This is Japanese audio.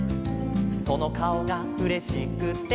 「そのかおがうれしくて」